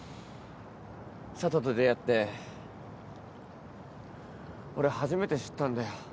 佐都と出会って俺初めて知ったんだよ。